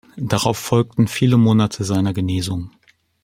Darauf folgten viele Monate seiner Genesung.